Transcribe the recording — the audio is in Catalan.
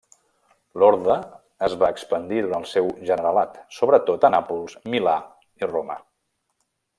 L'orde es va expandir durant el seu generalat, sobretot a Nàpols, Milà i Roma.